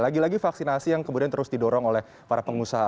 lagi lagi vaksinasi yang kemudian terus didorong oleh para pengusaha